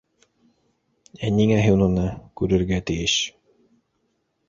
Ә ниңә һин уны... күрергә тейеш?